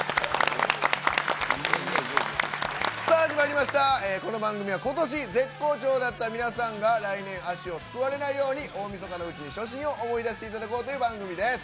始まりました、この番組は、ことし絶好調だった皆さんが、来年、足をすくわれないように、大晦日のうちに初心を思い出していただこうという番組です。